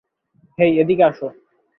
হেই, এদিকে আসো!